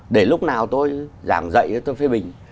để lúc nào tôi giảng dạy tôi phê bình